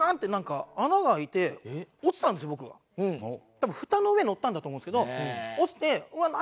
多分ふたの上に乗ったんだと思うんですけど落ちてうわっ何？